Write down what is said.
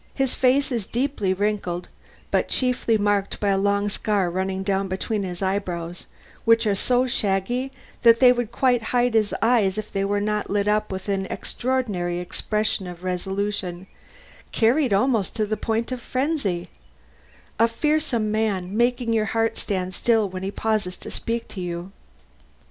His face is deeply wrinkled, but chiefly marked by a long scar running down between his eyebrows, which are so shaggy that they would quite hide his eyes if they were not lit up with an extraordinary expression of resolution, carried almost to the point of frenzy; a fearsome man, making your heart stand still when he pauses to speak to you."